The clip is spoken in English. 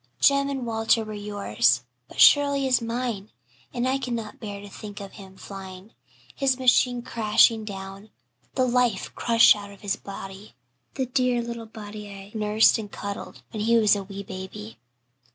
Jem and Walter were yours but Shirley is mine. And I cannot bear to think of him flying his machine crashing down the life crushed out of his body the dear little body I nursed and cuddled when he was a wee baby."